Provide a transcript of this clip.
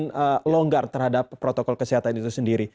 yang longgar terhadap protokol kesehatan itu sendiri